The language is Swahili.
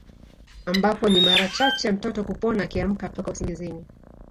Ambapo ni mara chache mtoto kupona akiamka toka usingizini